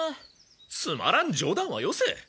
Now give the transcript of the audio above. つまらん冗談はよせ！